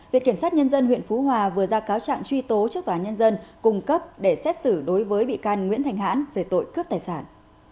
viện kiểm sát nhân dân huyện phú hòa vừa ra cáo trạng truy tố trước tòa nhân dân cung cấp để xét xử đối với bị can nguyễn thành hãn về tội cướp tài sản